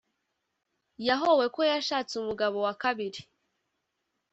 yahowe ko yashatse umugabo wa kabiri